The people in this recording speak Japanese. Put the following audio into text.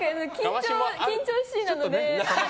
緊張しいなので。